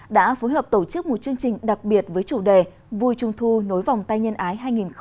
đã phối hợp tổ chức một chương trình đặc biệt với chủ đề vui trung thu nối vòng tay nhân ái hai nghìn hai mươi